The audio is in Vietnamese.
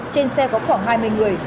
trên xe có khoảng hai mươi người